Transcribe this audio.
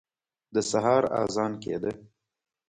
د سهار اذان کېده.